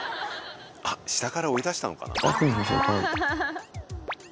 あっ下から追い出したのかな？